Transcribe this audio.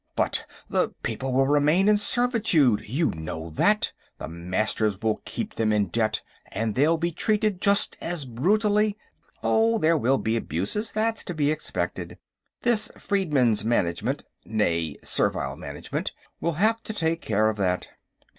"But the people will remain in servitude, you know that. The Masters will keep them in debt, and they'll be treated just as brutally...." "Oh, there will be abuses; that's to be expected. This Freedmen's Management, nee Servile Management, will have to take care of that.